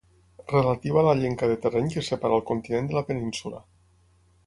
Relativa a la llenca de terreny que separa el continent de la península.